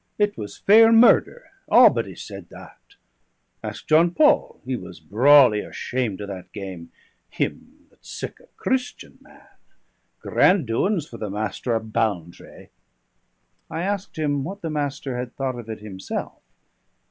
It was fair murder, a'body said that. Ask John Paul he was brawly ashamed o' that game, him that's sic a Christian man! Grand doin's for the Master o' Ball'ntrae!" I asked him what the Master had thought of it himself.